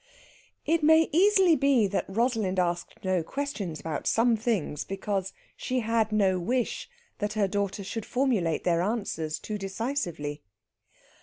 It may easily be that Rosalind asked no questions about some things, because she had no wish that her daughter should formulate their answers too decisively.